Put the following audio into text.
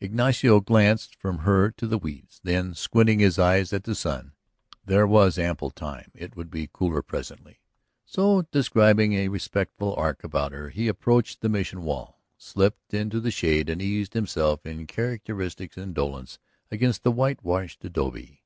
Ignacio glanced from her to the weeds, then, squinting his eyes, at the sun. There was ample time, it would be cooler presently. So, describing a respectful arc about her, he approached the Mission wall, slipped into the shade, and eased himself in characteristic indolence against the white washed adobe.